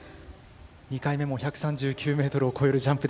２回目も１３９ｍを越えるジャンプでした。